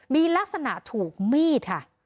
มีลักษณะถูกมีดค่ะ